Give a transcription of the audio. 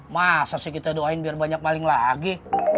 masa sih kita doain biar banyak maling lagi